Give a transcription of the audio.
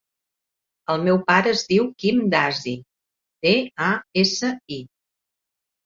El meu pare es diu Quim Dasi: de, a, essa, i.